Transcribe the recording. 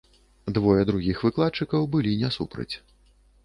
Двое другіх выкладчыкаў былі не супраць.